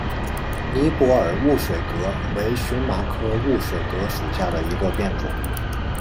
尼泊尔雾水葛为荨麻科雾水葛属下的一个变种。